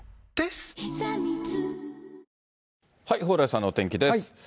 蓬莱さんのお天気です。